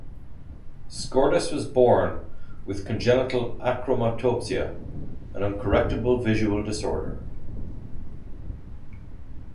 Scdoris was born with congenital achromatopsia, an uncorrectable visual disorder.